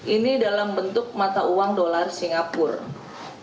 ini dalam bentuk mata uang dolar singapura